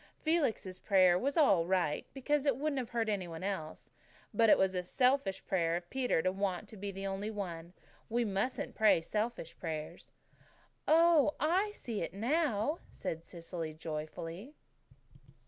"Felix's prayer was all right, because it wouldn't have hurt any one else; but it was selfish of Peter to want to be the only one. We mustn't pray selfish prayers." "Oh, I see through it now," said Cecily joyfully.